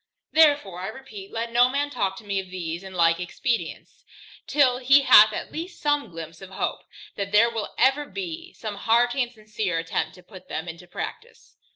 Therefore I repeat, let no man talk to me of these and the like expedients, till he hath at least some glympse of hope, that there will ever be some hearty and sincere attempt to put them into practice.